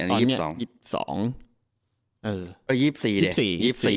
อันนี้๒๒